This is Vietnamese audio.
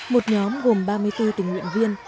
một nhóm gồm ba mươi bốn tình nguyện viên